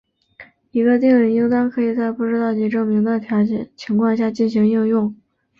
一个定理应当可以在不知道其证明的情况下进行应用。